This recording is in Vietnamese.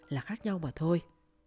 là khác nhau mà thôi